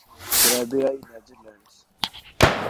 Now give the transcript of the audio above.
کریبیائی Netherlands